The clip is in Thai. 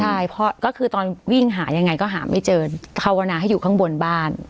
ใช่เพราะก็คือตอนวิ่งหายังไงก็หาไม่เจอภาวนาให้อยู่ข้างบนบ้าน